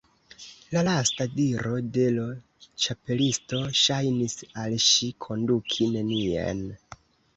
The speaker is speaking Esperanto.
La lasta diro de l' Ĉapelisto ŝajnis al ŝi konduki nenien.